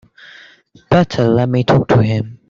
Better let me talk to him.